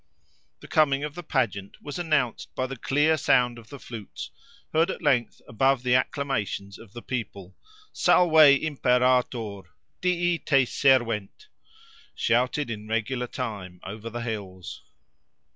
The coming of the pageant was announced by the clear sound of the flutes, heard at length above the acclamations of the people—Salve Imperator!—Dii te servent!—shouted in regular time, over the hills.